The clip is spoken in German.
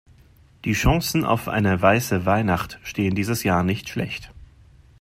Die Chancen auf eine weiße Weihnacht stehen dieses Jahr nicht schlecht.